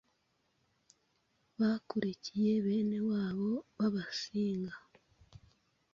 bakurikiye bene wabo b’Abasinga,